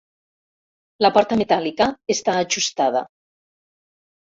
La porta metàl·lica està ajustada.